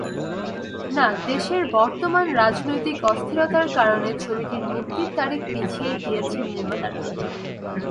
না, দেশের বর্তমান রাজনৈতিক অস্থিরতার কারণে ছবিটির মুক্তির তারিখ পিছিয়ে দিয়েছেন নির্মাতারা।